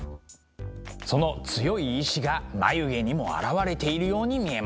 その強い意志が眉毛にも表れているように見えます。